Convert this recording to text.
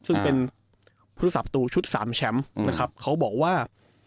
ซึ่งเป็นผู้สาประตูชุดสามแชมป์นะครับเขาบอกว่า